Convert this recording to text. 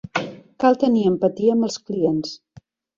Cal tenir empatia amb els clients.